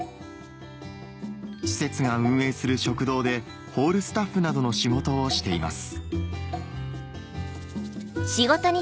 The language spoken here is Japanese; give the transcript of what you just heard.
施設が運営する食堂でホールスタッフなどの仕事をしています